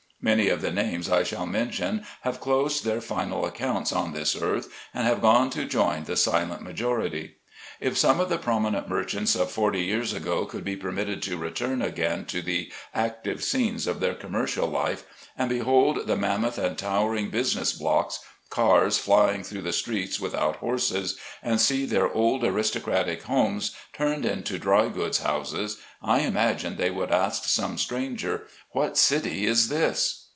Many of the names I shall mention have closed their final accounts on this earth and have gone to join the silent majority. If some of the prominent merchants of forty years ago could be permitted to return again to the active scenes of their commercial life, and behold the mammoth and towering business blocks, cars flying through the streets without horses, and see their old aristocratic homes turned into dry goods houses, I imagine they would ask some stranger, "What city is this."